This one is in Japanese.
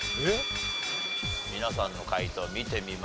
皆さんの解答を見てみましょう。